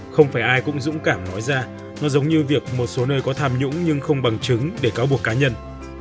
không phải ai cũng dũng cảm nói ra nó giống như việc một số nơi có tham nhũng nhưng không bằng chứng để cáo buộc cá nhân